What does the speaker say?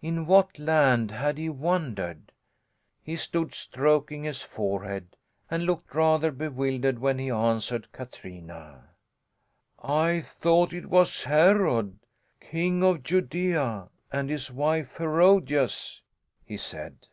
In what land had he wandered? He stood stroking his forehead, and looked rather bewildered when he answered Katrina. "I thought it was Herod, King of Judea, and his wife, Herodias," he said.